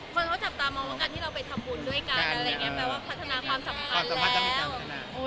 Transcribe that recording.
คนเขาจับตามองว่าการที่เราไปทำบุญด้วยกันอะไรอย่างนี้แปลว่าพัฒนาความสัมพันธ์แล้ว